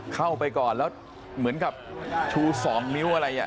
เข้าไปก่อนแล้วเหมือนกับชู๒นิ้วอะไรอ่ะ